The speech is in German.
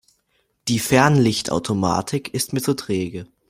Die Fernlichtautomatik ist mir zu träge.